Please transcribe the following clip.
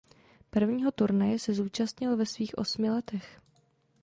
Prvního turnaje se zúčastnil ve svých osmi letech.